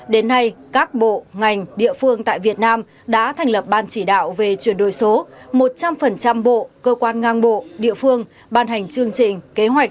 đến nay các bộ ngành địa phương tại việt nam đã thành lập ban chỉ đạo về chuyển đổi số một trăm linh bộ cơ quan ngang bộ địa phương ban hành chương trình